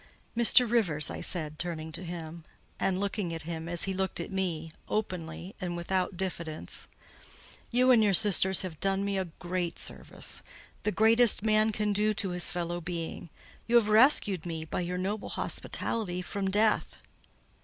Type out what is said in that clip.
"Mr. Rivers," I said, turning to him, and looking at him, as he looked at me, openly and without diffidence, "you and your sisters have done me a great service—the greatest man can do his fellow being; you have rescued me, by your noble hospitality, from death.